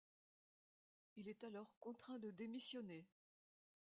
Il est alors contraint de démissionner.